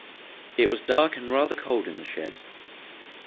It was dark and rather cold in the shed.